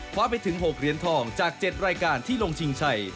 ไปถึง๖เหรียญทองจาก๗รายการที่ลงชิงชัย